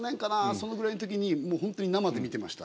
そのぐらいのときにもう本当に生で見てました。